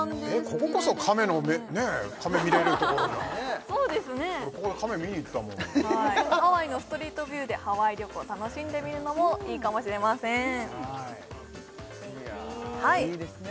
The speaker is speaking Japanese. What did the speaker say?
ここへカメ見に行ったもんハワイのストリートビューでハワイ旅行楽しんでみるのもいいかもしれませんいやあいいですね